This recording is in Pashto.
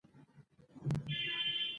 پلار ماشومانو ته د کار او هڅې ارزښت ښيي